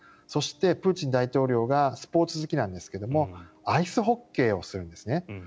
そしてプーチン大統領はスポーツ好きなんですがアイスホッケーをするんですね。